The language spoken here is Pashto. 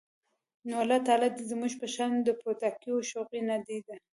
نو الله تعالی دې زموږ په شان د پټاکیو شوقي، نادیده